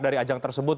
dari ajang tersebut